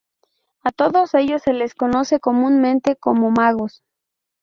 A todos ellos se les conoce comúnmente como magos.